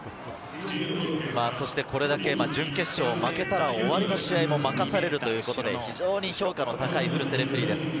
これだけ準決勝、負けたら終わりの試合も任されるということで、評価の高い古瀬レフェリーです。